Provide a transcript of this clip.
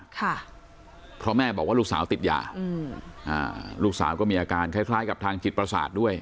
ค่ะเพราะแม่บอกว่าลูกสาวติดยาอืมอ่าลูกสาวก็มีอาการคล้ายคล้ายกับทางจิตประสาทด้วย